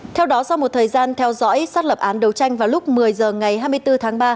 theo đó sau một thời gian theo dõi sát lập án đấu tranh vào lúc một mươi h ngày hai mươi bốn tháng ba